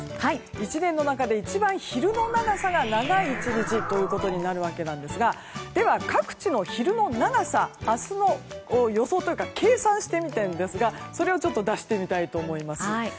１年の中で一番昼の長さが長い１日となるわけなんですがでは、各地の昼の長さを計算してみたんですがそれを出してみたいと思います。